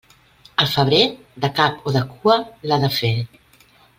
El febrer, de cap o de cua, l'ha de fer.